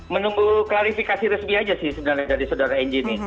menunggu klarifikasi resmi aja sih sebenarnya dari saudara engine ini